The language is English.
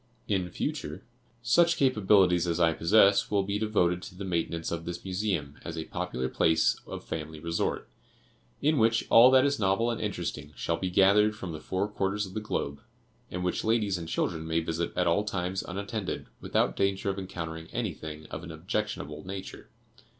In future, such capabilities as I possess will be devoted to the maintenance of this Museum as a popular place of family resort, in which all that is novel and interesting shall be gathered from the four quarters of the globe, and which ladies and children may visit at all times unattended, without danger of encountering anything of an objectionable nature.